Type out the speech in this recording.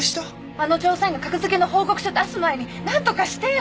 あの調査員が格付けの報告書出す前になんとかしてよ！